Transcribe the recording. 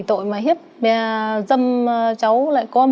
tội mà hiếp mẹ dâm cháu lại con mới có năm tuổi thì